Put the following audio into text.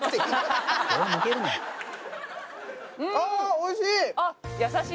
おいしい。